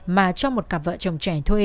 mà cho một cặp vợ chồng trẻ thuê